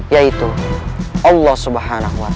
yaitu allah swt